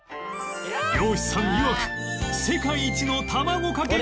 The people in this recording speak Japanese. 漁師さんいわく世界一のたまごかけご飯